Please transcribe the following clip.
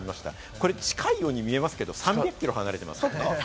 これ近いように見えますけど３００キロ離れてますからね。